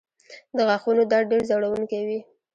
د غاښونو درد ډېر ځورونکی وي.